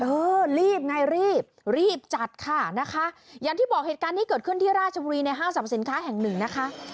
เออรีบไงรีบรีบจัดค่ะนะคะอย่างที่บอกเหตุการณ์นี้เกิดขึ้นที่ราชบุรีในห้างสรรพสินค้าแห่งหนึ่งนะคะ